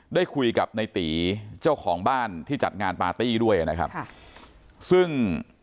ได้คุยกับในตีเจ้าของบ้านที่จัดงานปาร์ตี้ด้วยนะครับค่ะซึ่ง